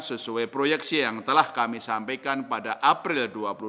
sesuai proyeksi yang telah kami sampaikan pada april dua ribu dua puluh